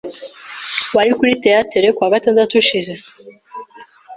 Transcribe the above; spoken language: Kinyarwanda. Wari kuri theatre kuwa gatandatu ushize?